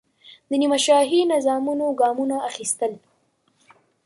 د نیمه شاهي نظامونو ګامونه اخیستل.